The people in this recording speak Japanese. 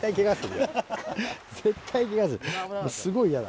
すごい嫌だ。